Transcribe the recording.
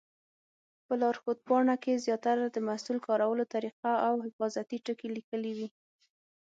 په لارښود پاڼه کې زیاتره د محصول کارولو طریقه او حفاظتي ټکي لیکلي وي.